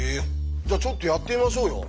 じゃあちょっとやってみましょうよ。